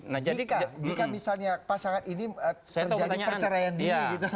jika misalnya pasangan ini terjadi perceraian dini gitu